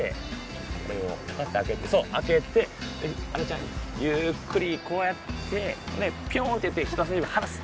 これをパカッて開けてそう開けてであのちゃんゆっくりこうやってピョンって言うて人さし指離す。